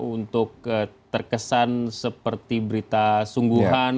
untuk terkesan seperti berita sungguhan